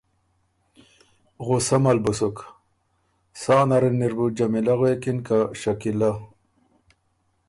غصه مه ل بُو سُک۔ سا نر اِر بُو جمیلۀ غوېکِن که شکیلۀ